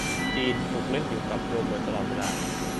จีนขลุกเล่นอยู่กับโรเบิร์ตตลอดเวลา